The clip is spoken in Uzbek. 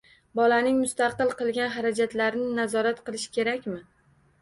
Bolaning mustaqil qilgan xarajatlarini nazorat qilish kerakmi?